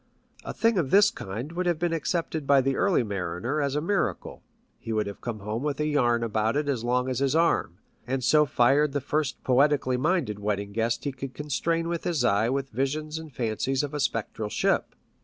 A thing of this kind would have been accepted by the early mariner as a miracle. He would have come home with a yarn about it as long as his arm, and so have fired the first poetically minded wedding guest he could constrain with his eye with visions and fancies of a spectral ship.